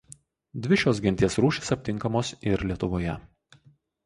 Dvi šios genties rūšys aptinkamos ir Lietuvoje.